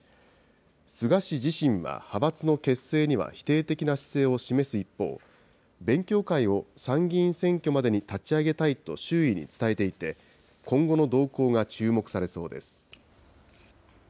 菅氏自身は、派閥の結成には否定的な姿勢を示す一方、勉強会を参議院選挙までに立ち上げたいと周囲に伝えていて、今後の動向が注目されそうです。